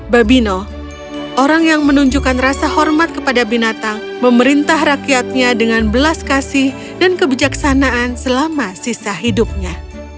babino orang yang menunjukkan rasa hormat kepada binatang memerintah rakyatnya dengan belas kasih dan kebijaksanaan selama sisa hidupnya